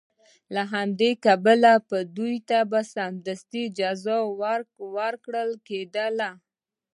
له همدې امله به دوی ته سمدستي جزا ورکول کېدله.